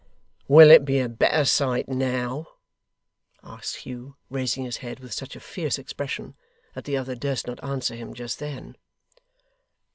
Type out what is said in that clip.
'Will it be a better sight now?' asked Hugh, raising his head, with such a fierce expression, that the other durst not answer him just then.